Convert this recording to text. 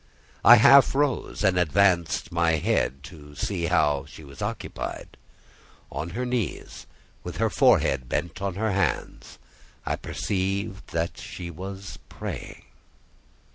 I half rose, and advanced my head to see how she was occupied. On her knees, with her forehead bent on her hands, I perceived that she was praying.